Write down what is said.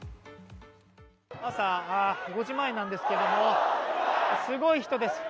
朝５時前なんですけどもすごい人です。